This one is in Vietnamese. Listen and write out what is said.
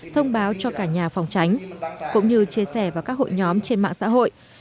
thông báo cho cả nhà phòng tránh cũng như chia sẻ vào các hội nhóm trên mạng xã hội